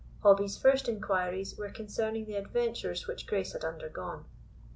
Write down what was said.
Hobbie's first enquiries were concerning the adventures which Grace had undergone.